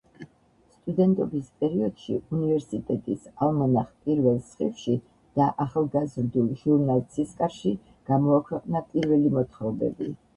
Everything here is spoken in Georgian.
სტუდენტობის პერიოდში უნივერსიტეტის ალმანახ „პირველ სხივში“ და ახალგაზრდულ ჟურნალ „ცისკარში“ გამოაქვეყნა პირველი მოთხრობები.